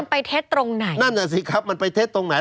มันไปเทศตรงไหนนั่นแหละสิครับมันไปเทศตรงไหน